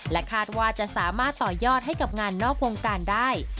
คาดว่าจะสามารถต่อยอดให้กับงานนอกวงการได้